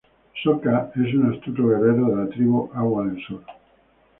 Sokka es un astuto guerrero de la Tribu Agua del Sur.